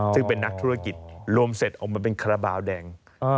ซึ่งเป็นนักธุรกิจรวมเสร็จออกมาเป็นคาราบาลแดง